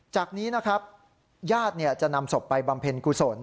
จากนี้นะครับญาติจะนำศพไปบำเพ็ญกุศล